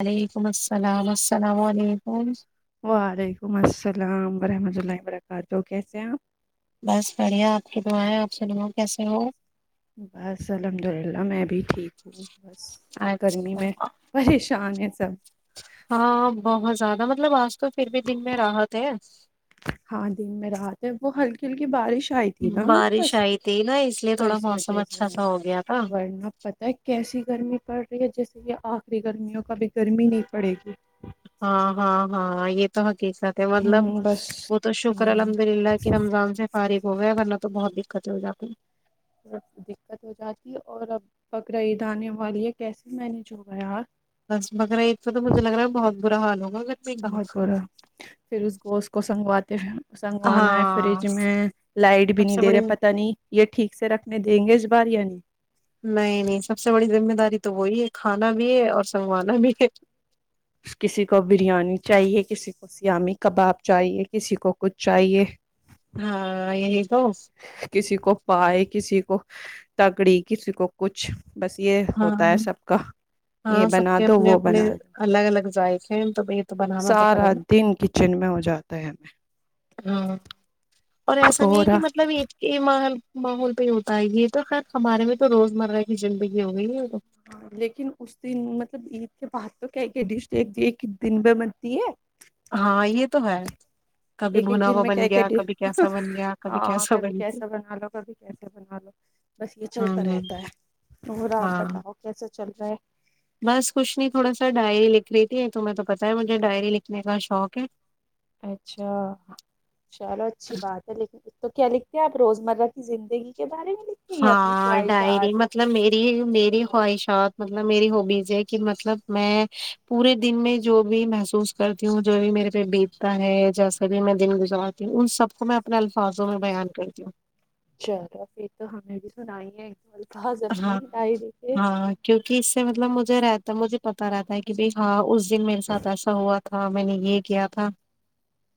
وعلیکم السلام السلام علیکم اور وعلیکم السلام ورحمۃ اللہ وبرکاتہ کیسے ہیں آپ بس بڑھیا آپ کی دعائیں آپ سن ہو کیسے ہو بس الحمد للہ میں بھی ٹھیک ہوں بس گرمی میں اچھا پریشان ہے اچھا ہاں بہت زیادہ ن مطلب تو پھر بھی دن میں راحت ہے ہاں دن میں رات ہے وہ ہلکی ہلکی بارش چ تھی نا آج بس بارش آئی تھی نا لیے تو تھوڑا اس موسم وجہ سے اچھا سا ہو گیا تھا ورنہ پتا ہے کیسی گرمی پر جیسے کہ آخری گرمیوں کا بھی گرمی نہیں پڑے گی ہاں ہاں ہاں یہ تو ٹھ س ہے مطلب ہوں بس وہ تو شکر ہوں الحمد للہ کی رمضان سے فارغ ہو گئے ا تو بہت دقت ہے ہو جا کے ب دقت ہو جاتی ہے اور اب بکر عید آنے والی ہے کیسے مینج ہو گاار بس مگر ایک تو تو مجھے لگ رہا ہے بہت برا حال ہو بہت برا پھر اس گوشت کو سنگواتے سنگوانا ہے ہاں فریج میں سب لائٹ بھی نہیں سے دے بڑی رہے پتاہ نہیں یہ ٹھیک سے رکھنے دیں گے بارییاانی نہیں نہیں سب سے بڑی ذمہ داری تو وہی ہے کھانا بھی ہے اور سنگوانا بھی ہے کسی کو بریانی چاہیے کسی کو سیامی کباب چاہیے کسی کو کچھ چاہیے ہاں ہی تو کسی کو پائے کسی کو تگڑی کسی کو کچھ بس یہ ہاں ہوتا ہے سب کا یہ ہاں سب بنا کے دو اپنے وہ اپنے بنا دو الگ الگ ذائقے ہیں تو یہ تو بنانا تو پڑے سارا گا دن کچن میں ہو جاتا ہے ہمیں ہاں اور ایسا نہیں ہے کہ پورا مطلب ماحول پہ ہوتا ہے یہ تو خیر ہمارے میں تو روزمرہ کی زندگی جی تو ہاں لیکن اس دن مطلب عید کے بعد تو کیا کیا ڈش ایک دن ب بنتی ہے ہاں یہ تو ہے کبھی ایک ایک بھنا دن ہوا میں کہ بن کے گیا دے کبھی کیسا بن گیا کبھی ہاں کبھی بن گیا کیسا بنا لو کبھی کیسے بنا لو بس یہ چلتا ہوں ہوں رہتا ہے اورا آپ ہاں بتاؤ کیسا چل رہا ہے تو میں تو پتا ہے مھے ڈائری لکھ میرا شوق ہے ہے اچھا چلو اچھی بات ہے لیکن تو کیا لکھتے ہیں آپ روزمرہ کی زندگی کے بارے میں لکھتے ہیں یا اپنی ہاں ڈائری خواہشات مطلب میری میری خواہشات مطلب میری ہوبیز ہے کہ مطلب میں پورے دن میں جو بھی محسوس کرتی ہوں جو بھی میرے پہ بیتتا ہے جیسا کبھی میں دن گزارتی ہوں ان سب تو میں اپنے الفاظوں میں بیان کرتی ہوں س نہیںائیے ہاں ہاں کیونکہ اس سے مطلب مجھے رہتا مجھے پتا رہتا ہے کہ بھائی ہاں اس دن میرے ساتھ ایسا ہوا تھا میں نے یہ کیا تھا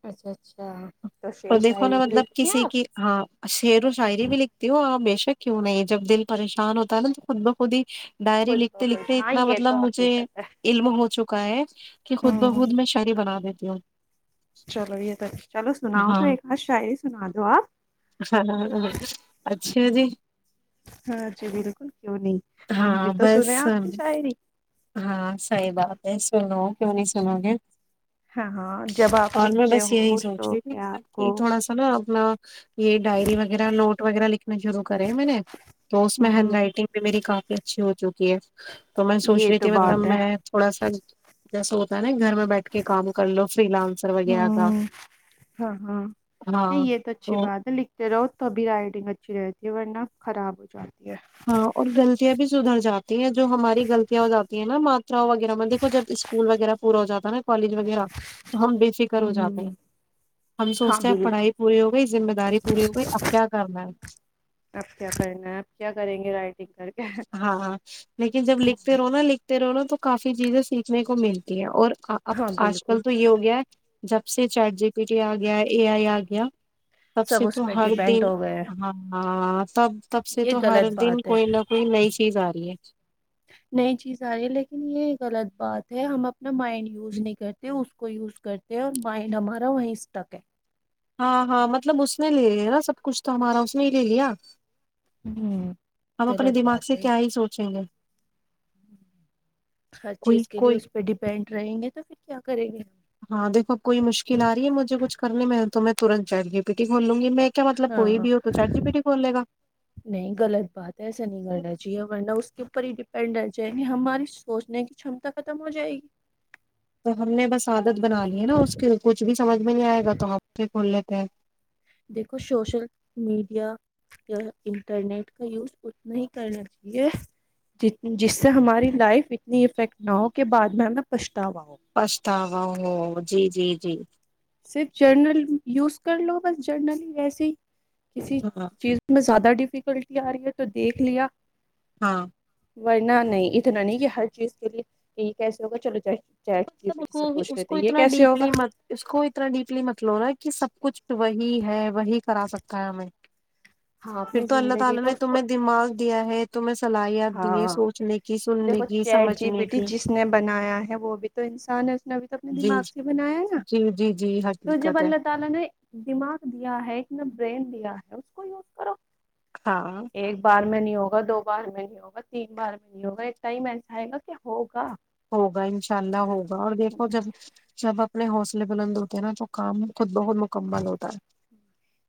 اچھا اچھا تو شعر اور دیکھو شاعری نا بھی مطلب لکھتی ہیں کسی آپ کی ہاں شعر و شاعری بھی لکھتی ہوں اور بشر کیوں نہیں جب دل پریشان ہوتا ہے نا تو خود بخود ہی ڈائری خود لکھتے بخود لکھتے ہاں اتنا یہ مطلب تو مجھے حقیقت ہے علم ہو چکا ک کہ خود ہوں بخود میں شڑی بنا دیتے کیا چلو یہ توچ چلو سناؤ تو ایک ہادھ شا ہی سنا دو آپ اچھا جی ہاں جی بالکل کیوں نہیں ہم بھی ہاں تو بس سنے آپ کی شاعری ب سنو کیوں نہیں سنو گے ہاں ہاں جب آپ اور میں لکھتے بس یہی ہو شوق ہے آپ کو میں یہ ڈائری وغیرہ نوٹ وغیرہ لکھنا شروع کرے میں نے تو اس میں ہینڈ ہوں رائٹنگ بھی میری کافی اچھی ہو چکی ہے تو میں سوچ یہ رہی تو تھی مطلب بات ہے میں تھوڑا سا جسا ہوتا ہے گھر میں بیٹھ کے کام کر لو فری لانسر وغیرہ کا ہوں ہاں ہاں نہیں ہاں یہ اچھی تو بات یہ ورنہ خراب ہو جاتیی ہے ہاں اور غلطیاں بھی سدھر جاتی ہیں جو ہماری غلطیاں ہو جاتی ہیں نا ماتراں وغیرہ میں دیکھو جب اسکول وغیرہ پورا ہو جاتا ہے نا کالج وغیرہ تو ہم بے فکر ہو جاتے ہوں ہیں ہم ہاں سوچتے ہیں بالکل پڑھائی پوری ہو گئی ذمہ داری پوری ہو گئی اب کیا کرنا ہے اب کیا کرنا ہے اب کیا کریں گے رائٹگ ہاںاں لیکن جب لکھتے رہو نا لکھتے رہو ن تو کافی چیزیں سیکھنے کو ملتی ہیں اور اب ہاں آج بالکل کل تو یہ ہو گیا ہے جب سے چیٹ جی پی ٹی آ گیا اے آئی آ گیا تب سب سے تو اس پہ ہر ڈیپینڈ دن ہو گئے ہیں ہاںاں تب تب سے یہ تو ہر غلط دن بات ہے کوئی نہ نئی چیز آ رہی ہے نئی چیز آ رہی ہے لیکن یہ غلط بات ہے ہم اپنا مائنڈ یوز نہیں کرتے اس کو یوز کرتے اور مائنڈ ہمارا وہیں تک ہے ہاں ہاں مطلب اس نے لے لیا نا سب کچھ تو ہمارا اس نے ہی لے لیا ہوں ہم اپنے غلط دماغ بات سے ہے کیا ہی سوچیں گے ہر کوئی چیز کے لیے کوئی اس پہ ڈپینڈ ڈرائیں گے تو پھر کیا کریں گے ہاں دیکو اب کوئی مشکل آ رہی ہے مجھے کچھ کرنے میں تو میں ترنت چاہیے بیٹی کولوںی ہاں گا نہیں غلط بات ہے ایسا نہیں کرنا چاہیے ورنہ اس کے اوپر ہی پ ڈر جائیں گے ہماری سوچنے کی چمتا ختم ہو جائے گی تو ہم نے بس عادت بنا لی ہے نا اس کے کچھ بھی سمجھ میں نہیں آئے گا تو آپ سے کھول لیتے ہیں دیکھو سوشل میڈیا انٹرنیٹ کا یوز اتنا ہی کرنا چاہیے جس سے ہماری لائف اتنی افیکٹ نہ ہو کہ بع میں ہمیں پ فسگ جی جی جی صرف جرنل یوز کر لو بس جرنل ہی ویسے ہی کسی ہاں چیز میں زیادہ ڈیفیکلٹی آ رہی ہے تو دیکھ لیا ہاں ورنہ نہیں اتنا نہیں کہ ہر چیز کے لیے یہ کیسے ہوگا چل جائے چٹ مطلب اس پ سے پوچھ کو لیے تھ یہ کیسے ہوگا اتر ڈیپلی مطلو رہا ہے کہ سب کچھ وہی ہے سکھایا میں ہاں پھر اپنی تو اللہ زندگی تعالی کا نے اس کو تمہیں دماغ دیا ہے تو میں ہاں دیکھر و کی چیٹ جی سمجھنے بیٹی کی جس نے بنایا ہے وہ بھی انسان اس نے ابھی تک اپنے جی دماغ سے بنایا نا جی جی جی تو جب حقیقت ہے اللہ تعالی نے دماغ دیا ہے ایک میں برین کیا ہے اس کو یوز کرو ہاں ایک بار میں نہیں ہوگا دو بار میں ہوگا تین بار میں نہیں ہوگا ایک ائم ایسااہ گا کہ ہوگا ہوگا انشاء اللہ ہوگا اور دیکھو جب جب اپنے حوصلے بلند ہوتے ہیں نا تو کام خود بہت مکمل ہوتا ہے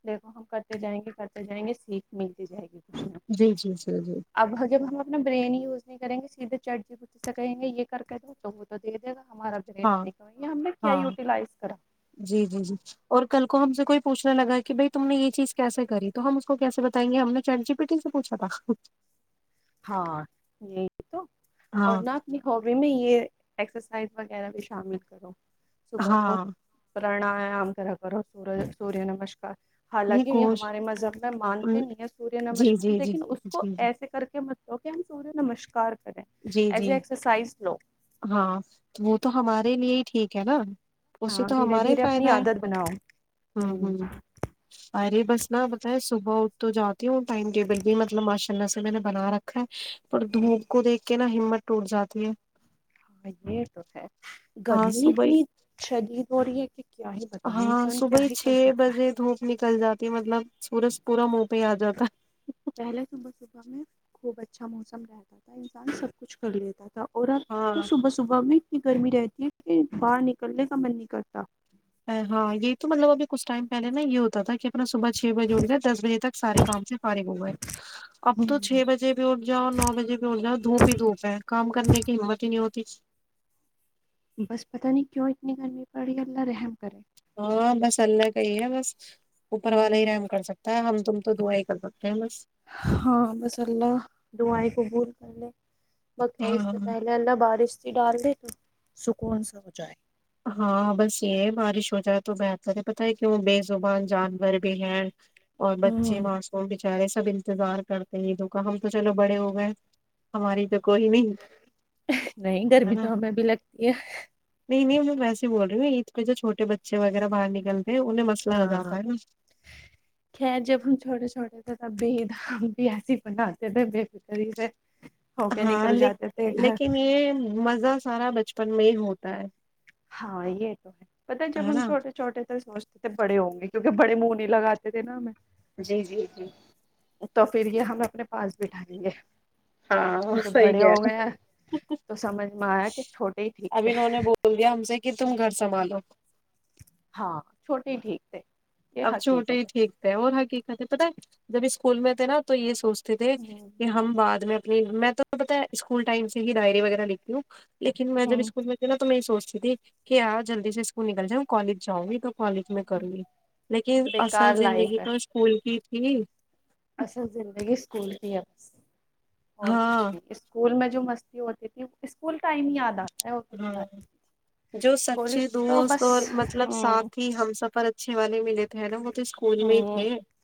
دیکھو ہم کرتے جائیں گے کرتے جائیں گے سیکھ ملتی جائے گی کچھ نہ کچھ جی جی جی جی اب جب ہم اپنا بریانی یوز نہیں کریں گے سیدھے چٹ جی ب سے کہیں گے یہ کر کے د ت وہ تو دے دے گا ہمارا برین ہاں نہیں کریں گے ہم نے کیا ہاں یوٹیلائز کرا جی جی جی اور کل کو ہم سب کو پوچھنا لگا کہ بھائی تم نے یہ چیز کیسے کری تو ہم اس کو کیسے بتائیں گے ہم نے چٹ جی پٹن سے پوچھا تھا ہاں یہ تو اور ہاں نہ اپنی ہابی میں یہ ایکسرسائز وغیرہ بھی شامل کرو صبح کو ہاں پرانیام کر کرو سورج سوریہ نمسکار نہیں حالانکہ یہ کوش ہمارے مذہب میں مانتے نہیں ہیں سوریہ جی نمسکار جی جی لیکن اس کو جی جی ایسے کر کے مطلب کیا ہم سورج نمسکار جی ایز جی اسرائز لو کیا ن اسے ہاں تو دھیرے ہمارا ہی دھیرے فائدہ اپنی ہے عادت بناؤ ہ ہوں ہ اریے بس نہ بتائے صبح اٹ تو جاتی ہوں ٹائم ٹیبل بھی مطلب ماشاء اللہ سے میں نے بنا رکھا ہے پر دھوپ کو دیکھ کہ نا ہمت ٹوٹ جاتی ہے ہاں یہ تو ہے ہاں گرمی صبح اتنی شدید ہو رہی ہے کہ کیا ہی بتائیں ہاں انسان صبح کیا ہی چھ کر سکتا ہے بجے دھوپ نکل جاتی مطلب سورج پورم ا پہ آ جاتا پہلے صبح صبح میں خوب اچھا موسم رہتا تھا انسان سب کچھ کر لیتا تھا اور رات ہے تو ہاں صبح صبح بھی گرمی رہتی ہے کہ باہر نکلنے کا من نہیں کرتا ہاں یہ تو مطلب ابھی کچھ ٹائم پہلے نا یہ ہوتا تھا کہ اپنا صبح چھ بجے اٹھ گئے دس بجے تک سارے کام سے فارغ ہو گئے اب تو چھ بجے بھی اٹ جاؤ نو بجے بھی اٹ جاؤ دھوپ ہی دھوپ ہے کام کرنے کی ہمت ہی نہیں ہوتی ٹیک بس پتہ نہیں کیوں اتنی گرمی پڑ رہی ہے اللہ رحم کرے ہاں بس اللہ کا ہی ہے بس اوپر والا ہی رحم کر سکتا ہے ہم تم تو دوئے کر ہیں بس ہاں مساللہ دائی کبول پلے مکر اس سے ہاں پہلے اللہ بارش ڈال دے تو سکون سا ہو جائے ہاں بس یہ ہے بارش ہو جائے تو بہتر ہے پت ہے کیوں بے زبان جانور بھی ہیں اور بچے ہوں معصو بچارے سب انتظار کرتے ہیں عیدوں کا ہم تو چلو بڑے ہو گئے ہماری توب نہیں ہے گرمی نا تو ہمیں بھی لگتی ہے ویس بول رہی ہیں عید پہ جو چھوے بچے وغیرہ باہر نکلتے ہیں انہیں مسئلہ ہو ہاں ہاں جاتا ہے نا خیر جب ہم چھوٹے چھوٹے بے د بی ایسی ہی پنڈے تھ بے فکر سے ہو کے ہاں نکل ل جاتے تھے گھر لیکن یہ مزہ سارا بچپن پ میں ہوتا ہے ہاں یہ تو ہے پت ہے جبن نا چھوٹے چوے سو تو بڑے ہوں گے کیونکہ بڑے منہ نہیں لگاتے تھے نا ہمیں جی جی جی تو پھر یہ ہم اپنے پاس بیٹھائیں گے ہاں جب صحیح بڑے کہہ ہو رہے گئے ہیں تو سمجھ میں آیا کہ چھوٹے ہی ٹھیک اب تھے انہوں نے بول دیا ہم سے کہ تم گھر سنبھالو ہاں چھوٹے ہی ٹھیک تھے یہ اب چھوٹے ہی حقیقت ہے ٹھیک تھے اور ہاں کی کاتے پتہ ہے جب اسکول میں تھے نا تو یہ سوچ تھے کہ ہ ہم بعد میں ج میں تو پتا ہے اسکول ٹائم سے ہی ڈائری وغیرہ لتی ہوں لیکن میں جب ہ اسکول میں ن تو میں یہ سوچتا جی کہ آ جلدی سے اسکول نکل جاؤ کالج جؤں گ تو کالج میں کروں گی لیکن اصل بیکار زندگی تو اسکول کی ہی اا زندگی اسکول کی ہے بس اور کچھ ہاں نہیں اسکول میں جو مستی ہوتی تھی اسکول ٹائم یاد آتا ہے اور ہ کچھ یاد نہیں جو سچے کالج تو دست بس اور مطلب ساتھ ہی ہم سفر اچھ والے میں تھے نا وہ تو اسکول ہی ہ تھے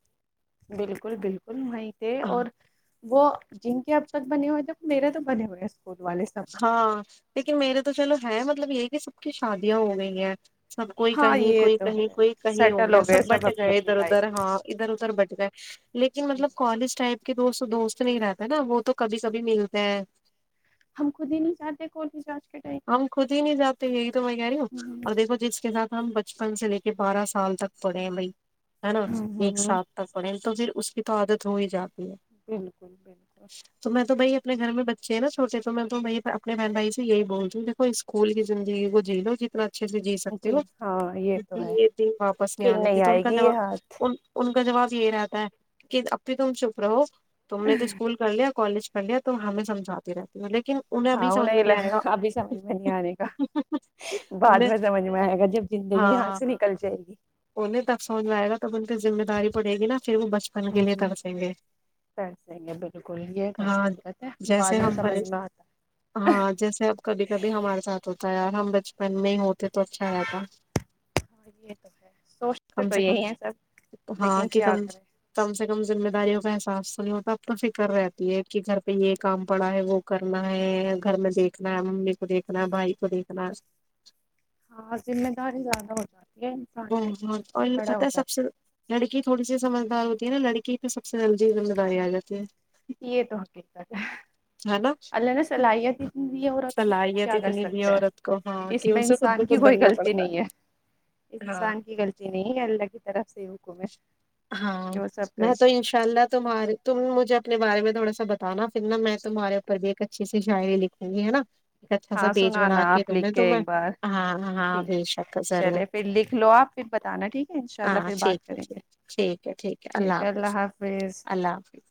بالکل بالکل وہیں تھے اور وہ جن کے اب تک بنے ہوئے تھے وہ میرے تو بنے ہوئے والے سب ہاں لیکن میرے تو چلو ہے م مطلب یہ کہ سب کی شادیاں ہو گئی ہیں سب کوئی ہاں کہیں یہ کوئی تو کہیں ہے کوئی کہیں ہو سیٹل گیا گئے سب بٹ اپنی گئے اپنی ادھر لائف ادھر ہاں ادھر ادھر بٹ ج لیکن میں مطلب کالج ٹائپ کہ دوست دوست نہیں رہتا نا وہ تو کبھی کبھی ملتے ہیں ہم خود ہی نہیں چاہتے کوئی بھی ہم خود ہی نہیں جاتے یہی تو میں کہہ رہی ہوں اور دیکو جس کے ساتھ ہم بچپن سے لے کے بارہ سال تک پڑے ہیں بھائی ہے نا ایک ہوں ساتھ تک پڑل تو پھر اس کی تو آادت ہو ہی جا بالکل بالکل تو میں تو بھائی اپنے گھر میں بچے نا چوٹے تو میں تو اپنے بہن بھائی سے یہی بولوں ج دیکھو اسکول کی زندگی کو جیل ہو ج طرح اچھے سے جی سکتے ہو ہاں یہ تو کیہ ہے یہ دن واپس نہیں پھر آنے کے تو ان آئے کا گی یہ ہاتھ جواب کا جواب یہ رہتا ہے کہ اب بھی تم چپ رہو تم نے تو اسکول کر لیا کالج کر لیا تو ہمیں سمجھاتی رہتی ہے مطل لیکن انہیں ابھی سمج میں نہیں آئےا ابھی سمجھ میں نہیں آنے گا بعد انہیں میں سمجھ میں آئے گا جب زندگی یہاں ہاں سے نکل جائے گی انہیں تب سمجھ میں آئے گا تب ان پہ ذمہ داری پڑے گی نا پھر وہ کے ہوں لیے کر سیں گے صحیح ہے بالکل یہ تو ہاں حقیقت ہے بعد جیسے میں ہم سمجھ میں آتا ہے ہاں جیسے کبھی کبھی ہمارے ساتھ ہوتا ہے ہم بچپن میں ہی ہو تو اچھا رہتا ہاں یہ تو ہے سوچتے کم تو سے کم یہی ہیں سب ہاں لیکن کہ کیا کم کریں کم سے کم مہ داریوں احساس تو نہیں ہوتا اب تو فکر رہتی ہے کہ گھر پہ یہ کام پڑا ہے وہ کرنا ہے گھر میں دیکھنا ممی کو دیکنا بائی کو دیکنا ہاں ذمہ داری زیادہ ہو جاتی ہے انسان پہ جب انسان آور بڑا پتہ ہو ہی جاتا صبکو لی تھوڑی سی سجدار ہوتی ہے نا لڑکی پہ سب سے جلدی سمجھداری آ جاتی ہے یہ تو حقیقت ہے ہے نا اللہ نے صلاحیتنی دی ہے عورت کو صلاحیت کیا کر اتنی دی ہے سکتے ہیں عورت کو ہاں اس کہ میں اسے خود انسان کی بخود کوئی بننا غلطی پڑتا نہیں ہے ہاں سانن کی کلتینی الگ ترا ہاں میں کر تو سکتے انشاء اللہ تمہارے تم مجھے اپنے بارے میں تھوڑا سا بتانا پھرا میں تمہارے اوپر بھی ایک اچھی س شعری لکھوں گی ہے نا ایک اچھا سا ہاں پیج بنا سنانا آپ دوں میں لکھ کے تمہیں ایک بار ہاں ہاں ٹھیک بے شک ضرور چلے پھر لکھ لو آپ پھر بتانا ٹھیک ہے ان شاء اللہ پھر بات اھاھ کریں گے ٹھیک ہے ٹھیک ہے اللہ حافظ اللہ حافظ